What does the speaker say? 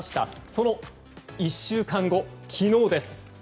その１週間後、昨日です。